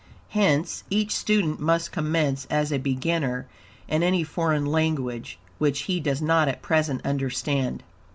Hence, each student must commence as a beginner in any foreign language, which he does not at present understand.